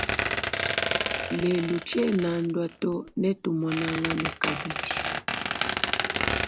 Lelu tshienandua to ne tumunangane kabidi.